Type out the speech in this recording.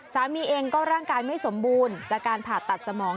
สามีเองก็ร่างกายไม่สมบูรณ์จากการผ่าตัดสมอง